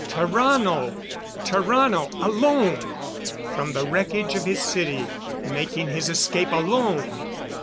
Tarrano! Tarrano alone! From the wreckage of his city, making his escape alone!